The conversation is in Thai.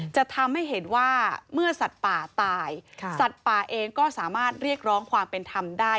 จะทำให้เห็นว่าเมื่อสัตว์ป่าตายสัตว์ป่าเองก็สามารถเรียกร้องความเป็นธรรมได้